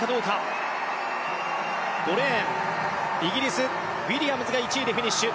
イギリスのウィリアムズが１位でフィニッシュ。